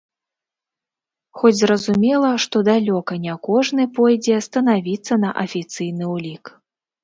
Хоць зразумела, што далёка не кожны пойдзе станавіцца на афіцыйны ўлік.